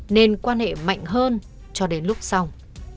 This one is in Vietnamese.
nên quan hệ mạnh hơn cho đến lúc xong